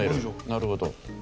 なるほど。